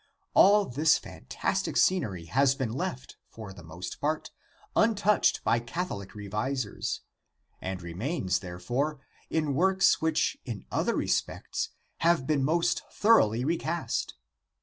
All this fantastic scenery has been left, for the most part, untouched by Catholic revisers, and remains, therefore, in works which in other respects have been most thoroughly recast.